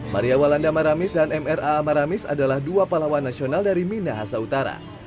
maria walanda maramis dan mra maramis adalah dua pahlawan nasional dari minahasa utara